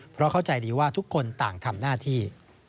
เพราะเข้าใจดีว่าทุกคนต่างทำหน้าที่